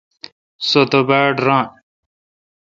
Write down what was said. سو تہ باڑ ران۔